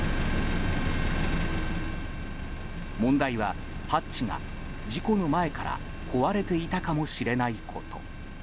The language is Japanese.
問題は、ハッチが事故の前から壊れていたかもしれないこと。